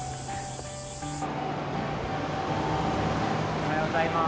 おはようございます。